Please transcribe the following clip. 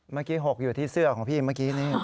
เมื่อกี้๖อยู่ที่เสื้อของพี่เมื่อกี้ผมได้ใบ้นะ